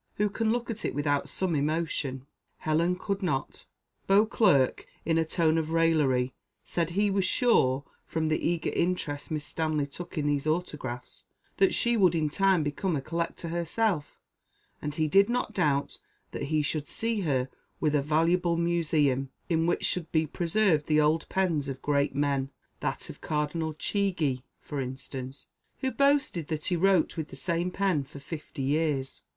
who can look at it without some emotion?" Helen could not. Beauclerc in a tone of raillery said he was sure, from the eager interest Miss Stanley took in these autographs, that she would in time become a collector herself; and he did not doubt that he should see her with a valuable museum, in which should be preserved the old pens of great men, that of Cardinal Chigi, for instance, who boasted that he wrote with the same pen for fifty years.